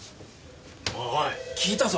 おいおい聞いたぞ。